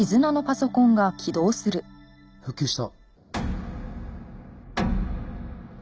復旧した。